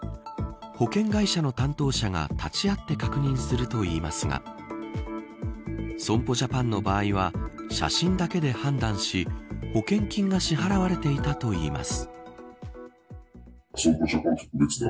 保険会社の担当者が立ち会って確認するといいますが損保ジャパンの場合は写真だけで判断し保険金が支払われていたといいます。